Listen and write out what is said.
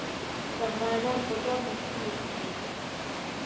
صحراګان په ګرمو سیمو کې دي.